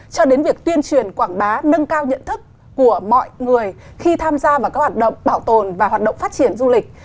cho đến việc tuyên truyền quảng bá nâng cao nhận thức của mọi người khi tham gia vào các hoạt động bảo tồn và hoạt động phát triển du lịch